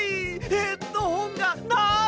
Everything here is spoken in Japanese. ヘッドホンがない！